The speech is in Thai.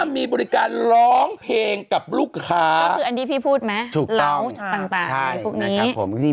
มีบริการร้องเพลงกับลูกค้าก็คืออันที่พี่พูดไหมร้องต่างตรงนี้